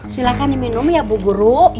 silahkan diminum ya bu guru